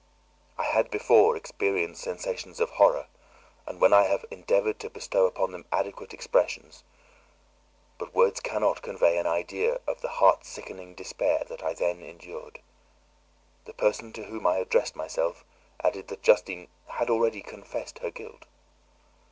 I had before experienced sensations of horror, and I have endeavoured to bestow upon them adequate expressions, but words cannot convey an idea of the heart sickening despair that I then endured. The person to whom I addressed myself added that Justine had already confessed her guilt.